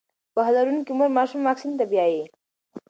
پوهه لرونکې مور ماشوم واکسین ته بیايي.